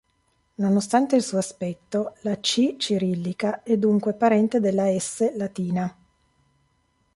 Nonostante il suo aspetto, la "С" cirillica è dunque parente della "S" latina.